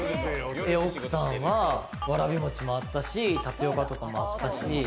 奥さんはわらび餅もあったし、タピオカとかもあったし。